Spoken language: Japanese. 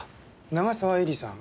長澤絵里さん。